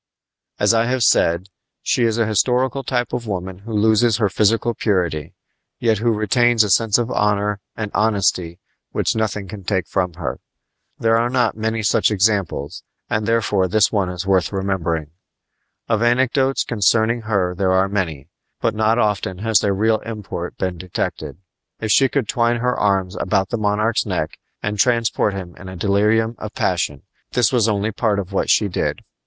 As I have said, she is a historical type of the woman who loses her physical purity, yet who retains a sense of honor and of honesty which nothing can take from her. There are not many such examples, and therefore this one is worth remembering. Of anecdotes concerning her there are many, but not often has their real import been detected. If she could twine her arms about the monarch's neck and transport him in a delirium of passion, this was only part of what she did.